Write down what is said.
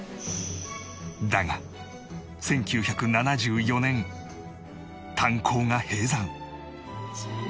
だが１９７４年炭鉱が閉山